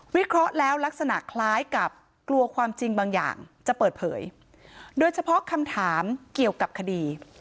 เคราะห์แล้วลักษณะคล้ายกับกลัวความจริงบางอย่างจะเปิดเผยโดยเฉพาะคำถามเกี่ยวกับคดี